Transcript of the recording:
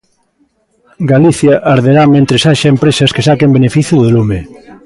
Galicia arderá mentres haxa empresas que saquen beneficio do lume.